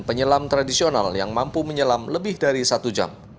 penyelam tradisional yang mampu menyelam lebih dari satu jam